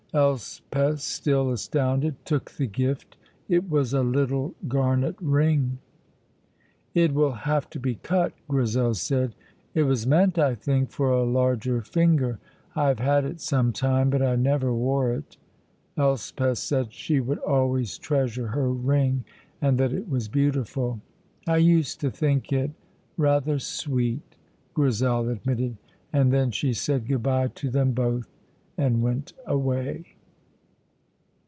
Elspeth, still astounded, took the gift. It was a little garnet ring. "It will have to be cut," Grizel said. "It was meant, I think, for a larger finger. I have had it some time, but I never wore it." Elspeth said she would always treasure her ring, and that it was beautiful. "I used to think it rather sweet," Grizel admitted, and then she said good bye to them both and went away.